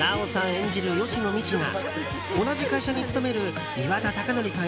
演じる吉野みちが同じ会社に勤める岩田剛典さん